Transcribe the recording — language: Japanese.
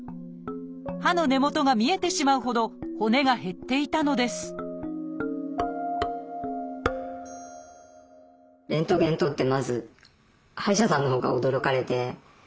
歯の根元が見えてしまうほど骨が減っていたのですレントゲン撮って